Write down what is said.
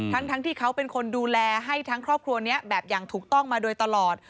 ทั้งที่เขาเป็นคนดูแลให้ทั้งครอบครัวนี้แบบอย่างถูกต้องมาโดยตลอด